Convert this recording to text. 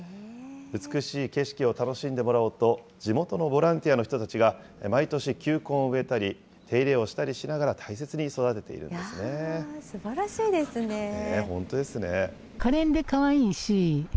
美しい景色を楽しんでもらおうと、地元のボランティアの人たちが毎年球根を植えたり手入れをしたりしながら、大切に育てているんですね。